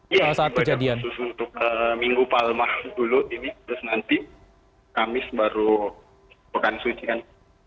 iya ibadah khusus untuk minggu palma dulu ini terus nanti kamis baru pekan suci kan